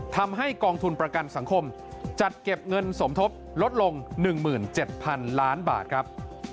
ทำให้กองทุนประกันสังคมจัดเก็บเงินสมทบลดลง๑๗๐๐๐ล้านบาทครับ